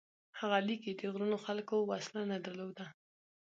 هغه لیکي: د غرونو خلکو وسله نه درلوده،